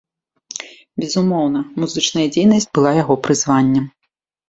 Безумоўна, музычная дзейнасць была яго прызваннем.